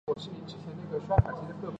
高盛投资亚洲区副总裁。